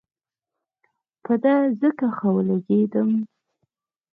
په ده ځکه ښه ولګېدم.